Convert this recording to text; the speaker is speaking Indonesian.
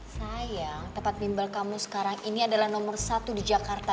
sayang tempat bimbal kamu sekarang ini adalah nomor satu di jakarta